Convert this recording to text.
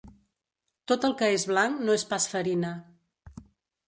Tot el que és blanc no és pas farina.